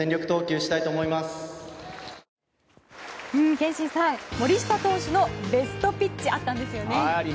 憲伸さん森下投手のベストピッチあったんですよね。